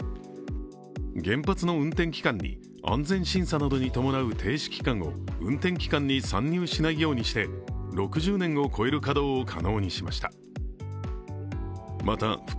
原発の運転期間に安全審査などに運転停止期間を運転期間に算入しないようにして６０年を超える稼働を可能にしました。